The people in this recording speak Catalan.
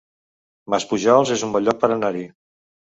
Maspujols es un bon lloc per anar-hi